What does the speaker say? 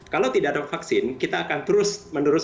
kalau tidak ada vaksin kita akan terus menerus